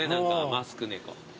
マスク猫。